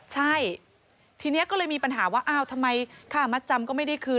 ใช่ทีนี้ก็เลยมีปัญหาว่าอ้าวทำไมค่ามัดจำก็ไม่ได้คืน